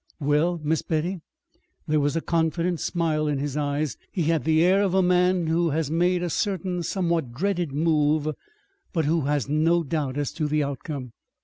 "Well, Miss Betty?" There was a confident smile in his eyes. He had the air of a man who has made a certain somewhat dreaded move, but who has no doubt as to the outcome.